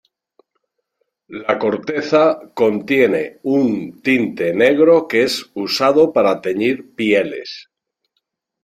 La corteza contiene un tinte negro que es usado para teñir pieles.